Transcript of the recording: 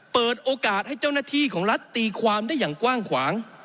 เปิดโอกาสให้เจ้าหน้าที่ของรัฐตีความได้อย่างกว้างขวาง